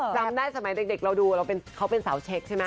จำได้สมัยเด็กเราดูเขาเป็นสาวเช็คใช่ไหม